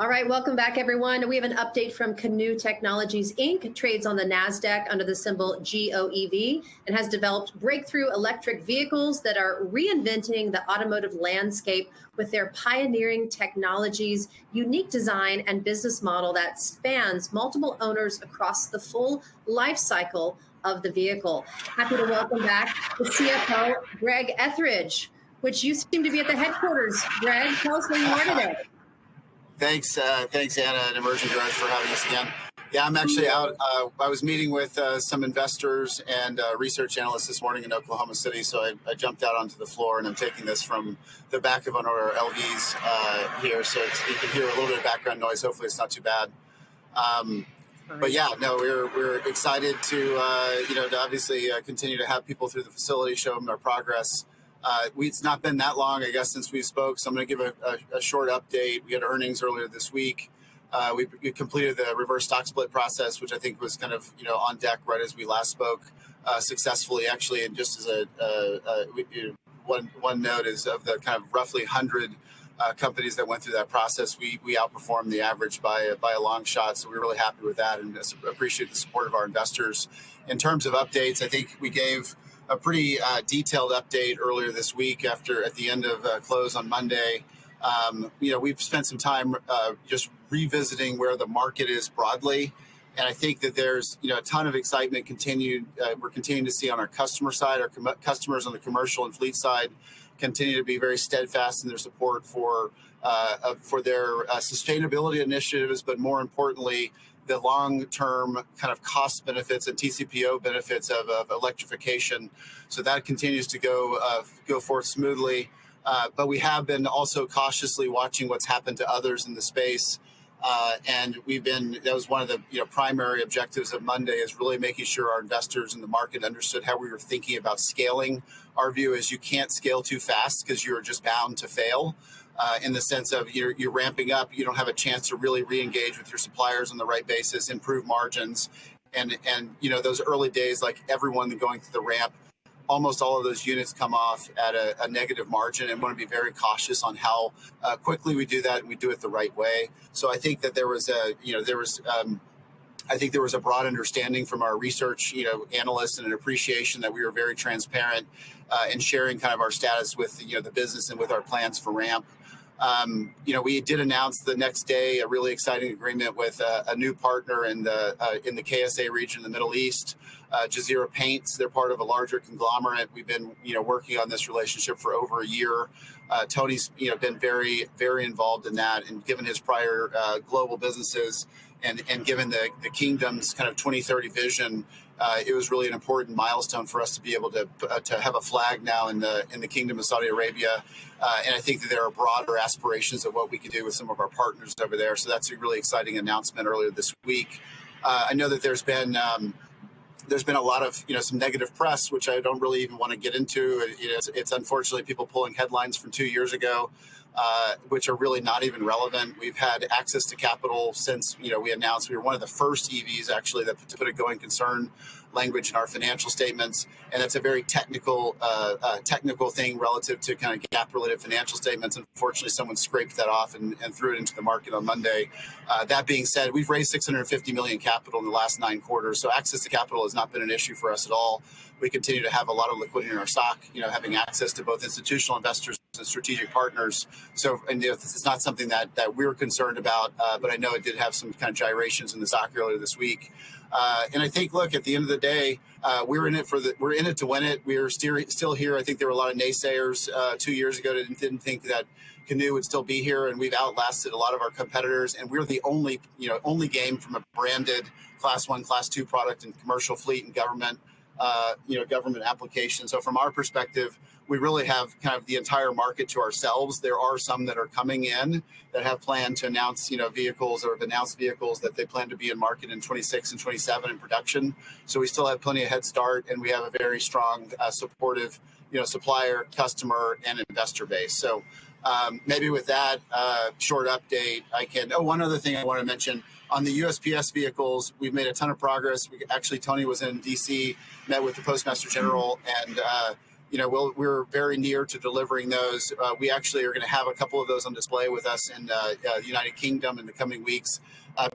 All right, welcome back, everyone. We have an update from Canoo Technologies, Inc. It trades on the Nasdaq under the symbol GOEV, and has developed breakthrough electric vehicles that are reinventing the automotive landscape with their pioneering technologies, unique design, and business model that spans multiple owners across the full life cycle of the vehicle. Happy to welcome back the CFO, Greg Ethridge, which you seem to be at the headquarters, Greg. Tell us where you are today. Thanks, thanks, Anna, and Emergent Growth for having us again. Yeah, I'm actually out. I was meeting with some investors and research analysts this morning in Oklahoma City, so I jumped out onto the floor, and I'm taking this from the back of one of our LVs here. So it's you can hear a little bit of background noise. Hopefully, it's not too bad. But yeah, no, we're excited to you know, to obviously continue to have people through the facility, show them their progress. We it's not been that long, I guess, since we spoke, so I'm gonna give a short update. We had earnings earlier this week. We completed the reverse stock split process, which I think was kind of you know, on deck right as we last spoke successfully, actually. And just as a one note is of the kind of roughly 100 companies that went through that process, we outperformed the average by a long shot. So we're really happy with that and just appreciate the support of our investors. In terms of updates, I think we gave a pretty detailed update earlier this week, after at the end of the close on Monday. You know, we've spent some time just revisiting where the market is broadly, and I think that there's you know, a ton of excitement continued, we're continuing to see on our customer side. Our customers on the commercial and fleet side continue to be very steadfast in their support for their sustainability initiatives, but more importantly, the long-term kind of cost benefits and TCPO benefits of electrification. So that continues to go forth smoothly. But we have been also cautiously watching what's happened to others in the space. And we've been. That was one of the, you know, primary objectives of Monday, is really making sure our investors in the market understood how we were thinking about scaling. Our view is you can't scale too fast 'cause you're just bound to fail, in the sense of you're ramping up. You don't have a chance to really re-engage with your suppliers on the right basis, improve margins. And, you know, those early days, like, everyone going through the ramp, almost all of those units come off at a negative margin, and we're gonna be very cautious on how quickly we do that, and we do it the right way. So I think that there was a, you know, there was, I think there was a broad understanding from our research, you know, analysts and an appreciation that we were very transparent, in sharing kind of our status with, you know, the business and with our plans for ramp. You know, we did announce the next day a really exciting agreement with a new partner in the, in the KSA region, in the Middle East, Jazeera Paints. They're part of a larger conglomerate. We've been, you know, working on this relationship for over a year. Tony's, you know, been very, very involved in that, and given his prior global businesses and given the kingdom's kind of 2030 Vision, it was really an important milestone for us to be able to have a flag now in the Kingdom of Saudi Arabia. And I think that there are broader aspirations of what we can do with some of our partners over there. So that's a really exciting announcement earlier this week. I know that there's been a lot of, you know, some negative press, which I don't really even wanna get into. You know, it's unfortunately, people pulling headlines from two years ago, which are really not even relevant. We've had access to capital since, you know, we announced. We were one of the first EVs actually, that put a Going Concern language in our financial statements, and it's a very technical, technical thing relative to kind of GAAP-related financial statements. Unfortunately, someone scraped that off and threw it into the market on Monday. That being said, we've raised $650 million capital in the last nine quarters, so access to capital has not been an issue for us at all. We continue to have a lot of liquidity in our stock, you know, having access to both institutional investors and strategic partners. So, you know, this is not something that we're concerned about, but I know it did have some kind of gyrations in the stock earlier this week. And I think, look, at the end of the day, we're in it for the-- we're in it to win it. We're still here. I think there were a lot of naysayers, two years ago that didn't think that Canoo would still be here, and we've outlasted a lot of our competitors, and we're the only, you know, only game from a branded Class 1, Class 2 product in commercial fleet and government, you know, government applications. So from our perspective, we really have kind of the entire market to ourselves. There are some that are coming in, that have planned to announce, you know, vehicles or have announced vehicles that they plan to be in market in 2026 and 2027 in production. So we still have plenty of head start, and we have a very strong, supportive, you know, supplier, customer, and investor base. So, maybe with that short update, I can, Oh, one other thing I wanted to mention. On the USPS vehicles, we've made a ton of progress. Actually, Tony was in D.C., met with the Postmaster General, and, you know, we're very near to delivering those. We actually are gonna have a couple of those on display with us in the United Kingdom in the coming weeks.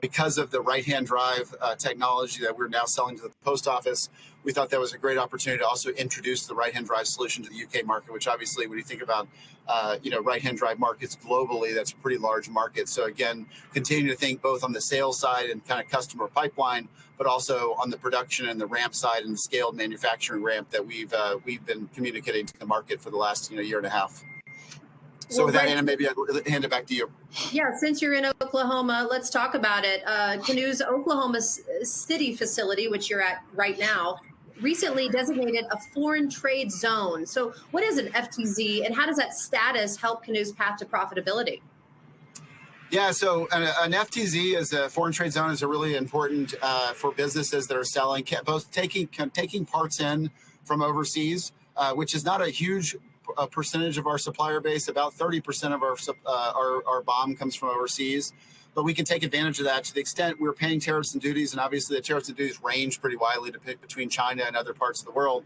Because of the right-hand drive technology that we're now selling to the Post Office, we thought that was a great opportunity to also introduce the right-hand drive solution to the UK market, which obviously, when you think about, you know, right-hand drive markets globally, that's a pretty large market. So again, continue to think both on the sales side and kind of customer pipeline, but also on the production and the ramp side and the scaled manufacturing ramp that we've been communicating to the market for the last, you know, year and a half. So with that, Anna, maybe I'll go ahead and hand it back to you. Yeah. Since you're in Oklahoma, let's talk about it. Canoo's Oklahoma City facility, which you're at right now, recently designated a foreign trade zone. So what is an FTZ, and how does that status help Canoo's path to profitability? Yeah, so an FTZ is a foreign trade zone, is a really important for businesses that are selling, can both take parts in from overseas, which is not a huge percentage of our supplier base. About 30% of our BOM comes from overseas, but we can take advantage of that to the extent we're paying tariffs and duties, and obviously the tariffs and duties range pretty widely depending between China and other parts of the world.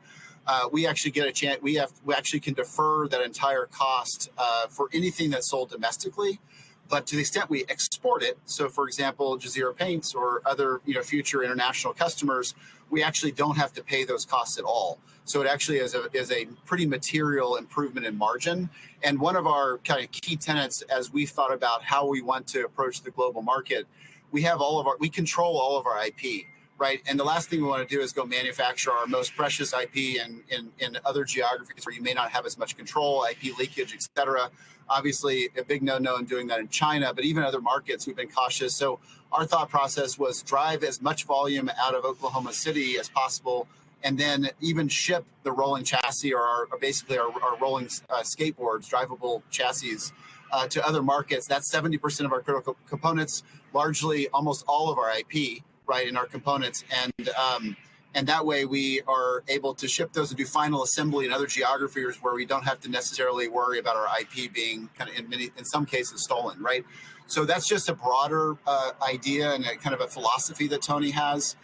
We actually can defer that entire cost for anything that's sold domestically, but to the extent we export it, so for example, Jazeera Paints or other, you know, future international customers, we actually don't have to pay those costs at all. So it actually is a pretty material improvement in margin, and one of our kind of key tenets as we thought about how we want to approach the global market. We control all of our IP, right? And the last thing we wanna do is go manufacture our most precious IP in other geographies where you may not have as much control, IP leakage, et cetera. Obviously, a big no-no in doing that in China, but even other markets, we've been cautious. So our thought process was drive as much volume out of Oklahoma City as possible, and then even ship the rolling chassis or, basically, our rolling skateboards, drivable chassis, to other markets. That's 70% of our critical components, largely almost all of our IP, right, in our components. And that way, we are able to ship those and do final assembly in other geographies where we don't have to necessarily worry about our IP being kind of in many, in some cases, stolen, right? So that's just a broader, idea and a kind of a philosophy that Tony has.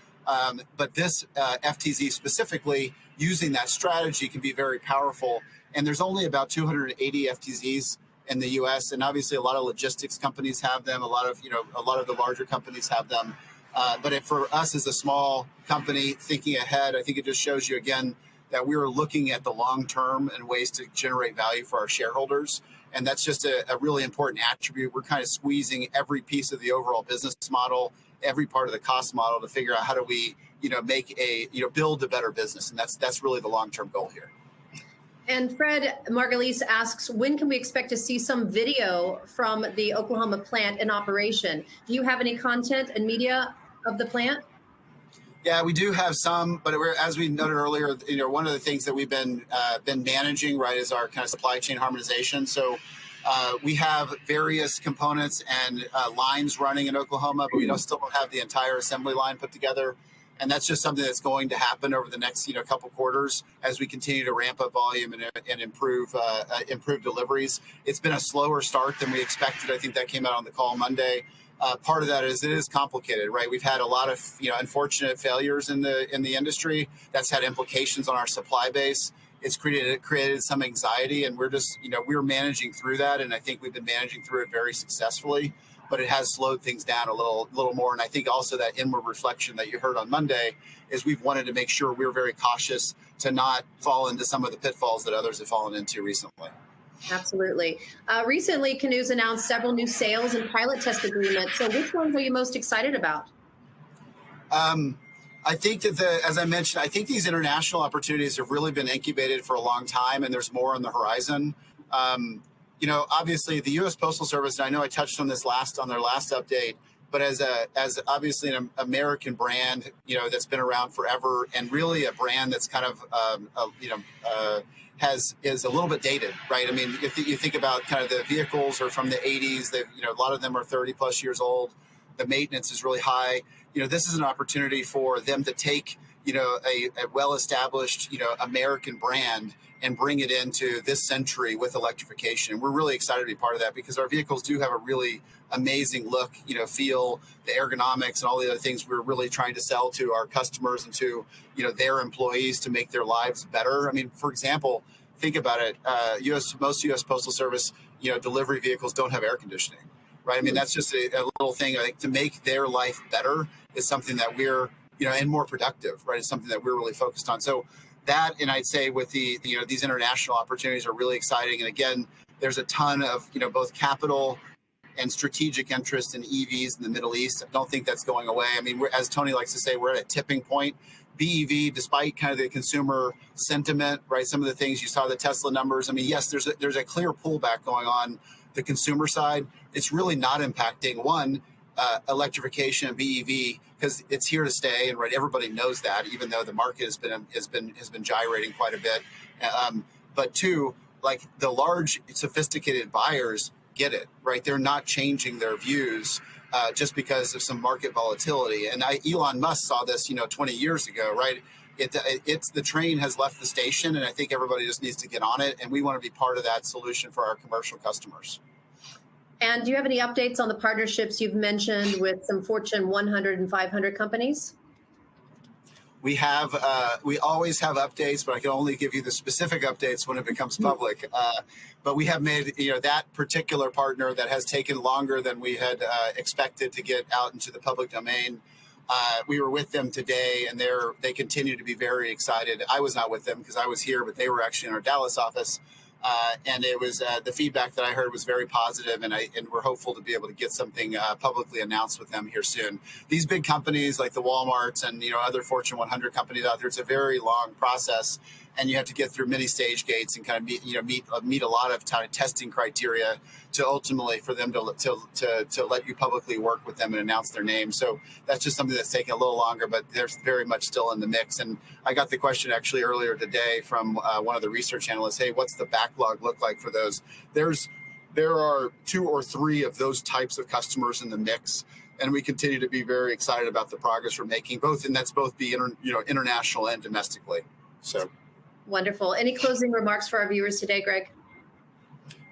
But this, FTZ specifically, using that strategy, can be very powerful, and there's only about 280 FTZs in the U.S., and obviously a lot of logistics companies have them. A lot of, you know, a lot of the larger companies have them. But it, for us, as a small company thinking ahead, I think it just shows you again that we are looking at the long term and ways to generate value for our shareholders, and that's just a, a really important attribute. We're kind of squeezing every piece of the overall business model, every part of the cost model, to figure out how do we, you know, make a, you know, build a better business? That's, that's really the long-term goal here. Fred Margolies asks, "When can we expect to see some video from the Oklahoma plant in operation?" Do you have any content and media of the plant? Yeah, we do have some, but as we noted earlier, you know, one of the things that we've been managing, right, is our kind of supply chain harmonization. So, we have various components and lines running in Oklahoma- Mm-hmm. But, you know, still don't have the entire assembly line put together, and that's just something that's going to happen over the next, you know, couple quarters as we continue to ramp up volume and improve deliveries. It's been a slower start than we expected. I think that came out on the call Monday. Part of that is, it is complicated, right? We've had a lot of, you know, unfortunate failures in the, in the industry. That's had implications on our supply base. It's created, it created some anxiety, and we're just, you know, we're managing through that, and I think we've been managing through it very successfully. But it has slowed things down a little, little more. I think also that inward reflection that you heard on Monday is we've wanted to make sure we're very cautious to not fall into some of the pitfalls that others have fallen into recently. Absolutely. Recently, Canoo's announced several new sales and pilot test agreements. Which ones are you most excited about? I think that the, as I mentioned, I think these international opportunities have really been incubated for a long time, and there's more on the horizon. You know, obviously, the U.S. Postal Service, and I know I touched on this last, on their last update, but as a, as obviously an American brand, you know, that's been around forever, and really a brand that's kind of, you know, has, is a little bit dated, right? I mean, if you think about kind of the vehicles are from the eighties, they've, you know, a lot of them are 30-plus years old, the maintenance is really high. You know, this is an opportunity for them to take, you know, a, a well-established, you know, American brand and bring it into this century with electrification. We're really excited to be part of that because our vehicles do have a really amazing look, you know, feel, the ergonomics, and all the other things we're really trying to sell to our customers and to, you know, their employees to make their lives better. I mean, for example, think about it, U.S., most U.S. Postal Service, you know, delivery vehicles don't have air conditioning, right? Mm. I mean, that's just a little thing, I think, to make their life better is something that we're... you know, and more productive, right? It's something that we're really focused on. So that, and I'd say with the, you know, these international opportunities are really exciting. And again, there's a ton of, you know, both capital and strategic interest in EVs in the Middle East. I don't think that's going away. I mean, we're, as Tony likes to say, we're at a tipping point. BEV, despite kind of the consumer sentiment, right, some of the things, you saw the Tesla numbers. I mean, yes, there's a, there's a clear pullback going on the consumer side. It's really not impacting, one, electrification of BEV, 'cause it's here to stay, and right, everybody knows that, even though the market has been gyrating quite a bit. But two, like, the large sophisticated buyers get it, right? They're not changing their views just because of some market volatility, and Elon Musk saw this, you know, 20 years ago, right? It, it's the train has left the station, and I think everybody just needs to get on it, and we wanna be part of that solution for our commercial customers. Do you have any updates on the partnerships you've mentioned with some Fortune 100 and 500 companies? We have, we always have updates, but I can only give you the specific updates when it becomes public. Mm-hmm. But we have made, you know, that particular partner that has taken longer than we had expected to get out into the public domain. We were with them today, and they continue to be very excited. I was not with them 'cause I was here, but they were actually in our Dallas office. And it was, the feedback that I heard was very positive, and we're hopeful to be able to get something publicly announced with them here soon. These big companies like the Walmarts and, you know, other Fortune 100 companies out there, it's a very long process, and you have to get through many stage gates and kind of be, you know, meet, meet a lot of testing criteria to ultimately for them to let you publicly work with them and announce their name. So that's just something that's taking a little longer, but they're very much still in the mix. And I got the question actually earlier today from one of the research analysts: "Hey, what's the backlog look like for those?" There's, there are two or three of those types of customers in the mix, and we continue to be very excited about the progress we're making, both, and that's both the international and domestically, so. Wonderful. Any closing remarks for our viewers today, Greg?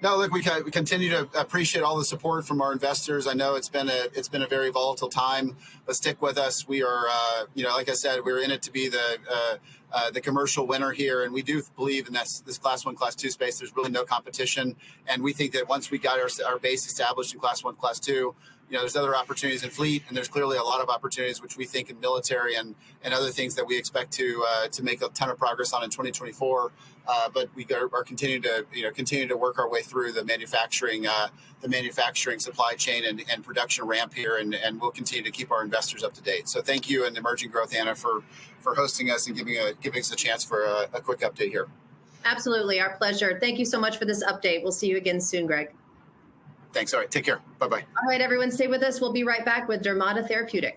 No, look, we continue to appreciate all the support from our investors. I know it's been a very volatile time, but stick with us. We are, you know, like I said, we're in it to be the, the commercial winner here, and we do believe in this Class one, Class two space. There's really no competition, and we think that once we got our base established in Class one, Class two, you know, there's other opportunities in fleet, and there's clearly a lot of opportunities which we think in military and other things that we expect to make a ton of progress on in 2024. But we are continuing to, you know, continue to work our way through the manufacturing supply chain and production ramp here. And we'll continue to keep our investors up to date. So thank you, and Emerging Growth Anna, for hosting us and giving us a chance for a quick update here. Absolutely. Our pleasure. Thank you so much for this update. We'll see you again soon, Greg. Thanks. All right, take care. Bye-bye. All right, everyone, stay with us. We'll be right back with Dermata Therapeutics.